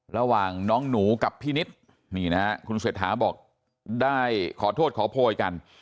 ระหว่างน้องหนูกับพี่นิดนี่นะฮะคุณเศรษฐาบอกได้ขอโทษขอโพยกัน